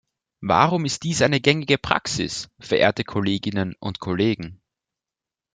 Warum ist dies eine gängige Praxis, verehrte Kolleginnen und Kollegen?